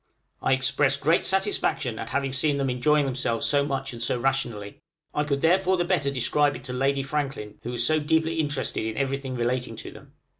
I expressed great satisfaction at having seen them enjoying themselves so much and so rationally. I could therefore the better describe it to Lady Franklin, who was so deeply interested in everything relating to them.